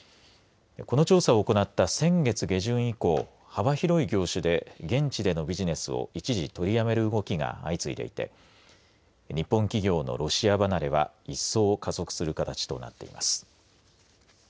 この調査を行った先月下旬以降幅広い業種で現地でのビジネスを一時取りやめる動きが相次いでいて日本企業のロシア離れは一層、加速する形となっています。